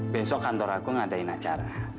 besok kantor aku ngadain acara